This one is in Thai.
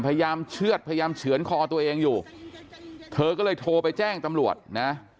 พยายามเชื่อดพยายามเฉือนคอตัวเองอยู่เธอก็เลยโทรไปแจ้งตำรวจนะ